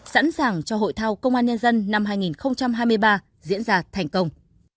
sẵn sàng cho hội thao công an nhân dân năm hai nghìn hai mươi ba diễn ra thành công